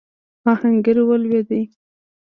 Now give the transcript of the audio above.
آهنګر ولوېد.